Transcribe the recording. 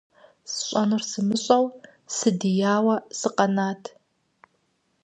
СщӀэнур сымыщӀэжу, сыдияуэ сыкъэнат.